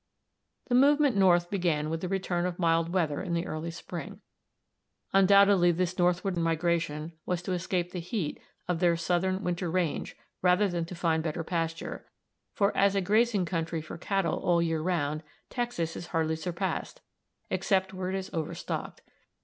The movement north began with the return of mild weather in the early spring. Undoubtedly this northward migration was to escape the heat of their southern winter range rather than to find better pasture; for as a grazing country for cattle all the year round, Texas is hardly surpassed, except where it is overstocked.